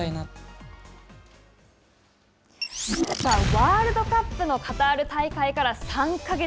ワールドカップのカタール大会から３か月。